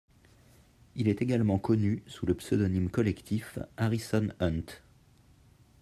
Il est également connu sous le pseudonyme collectif Harrison Hunt.